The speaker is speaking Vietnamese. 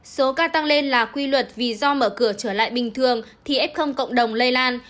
số ca tăng lên là quy luật vì do mở cửa trở lại bình thường thì f cộng đồng lây lan